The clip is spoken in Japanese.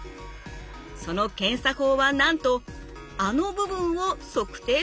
その検査法はなんとあの部分を測定するだけ。